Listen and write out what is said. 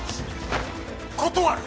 断る！